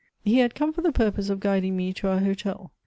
He had come for the purpose of guiding me to our hotel.